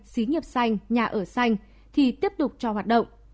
xí nghiệp xanh nhà ở xanh thì tiếp tục cho hoạt động